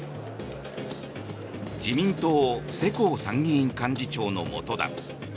自民党世耕参院幹事長のもとだ。